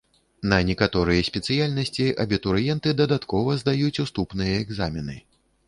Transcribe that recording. На некаторыя спецыяльнасці абітурыенты дадаткова здаюць уступныя экзамены.